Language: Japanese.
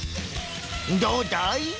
どうだい？